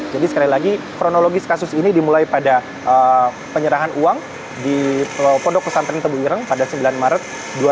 jadi sekali lagi kronologis kasus ini dimulai pada penyerahan uang di pondok pesantren tebu ireng pada sembilan maret dua ribu sembilan belas